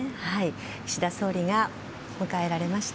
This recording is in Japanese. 岸田総理が出迎えられました。